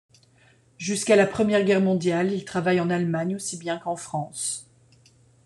Jusqu'à la Première Guerre mondiale, il travaille en Allemagne aussi bien qu'en France.